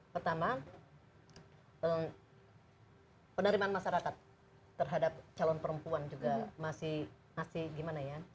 pertama penerimaan masyarakat terhadap calon perempuan juga masih gimana ya